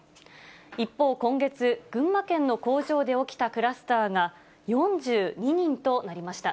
一方、今月、群馬県の工場で起きたクラスターが４２人となりました。